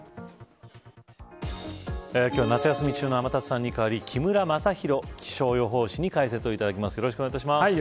今日は夏休み中の天達さんに代わり木村雅洋気象予報士に解説いただきます。